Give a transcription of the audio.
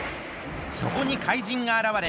そこに怪人があらわれ